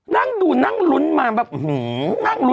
นั่งดูนั่งรุนมาแบบอื้อหู